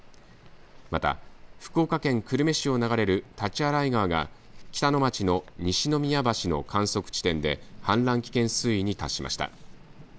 また、福岡県久留米市を流れる大刀洗川が北野町の西宮橋の観測地点で氾濫危険水位に達しました。